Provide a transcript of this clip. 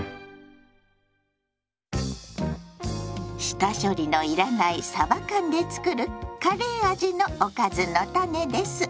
下処理の要らない「さば缶」で作るカレー味のおかずのタネです。